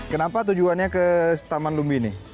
kenapa tujuannya ke taman lumbini